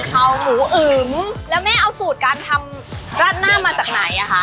เขาหมูอึ๋มแล้วแม่เอาสูตรการทำราดหน้ามาจากไหนอ่ะคะ